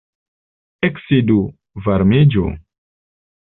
Eksidu, varmiĝu.